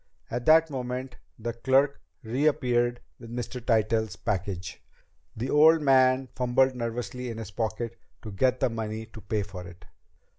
At that moment the clerk reappeared with Mr. Tytell's package. The old man fumbled nervously in his pocket to get the money to pay for it.